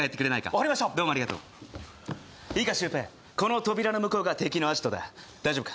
わかりましたどうもありがとういいかシュウペイこの扉の向こうが敵のあじとだ大丈夫か？